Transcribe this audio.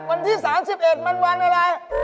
วันที่๓๑มันวันอะไร